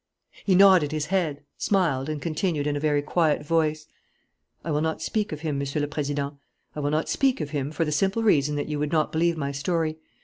He nodded his head, smiled, and continued, in a very quiet voice: "I will not speak of him, Monsieur le Président. I will not speak of him, for the simple reason that you would not believe my story.